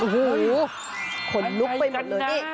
โอ้โหขนลุกไปหมดเลยนี่